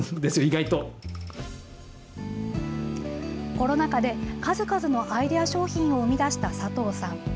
コロナ禍で数々のアイデア商品を生み出した佐藤さん。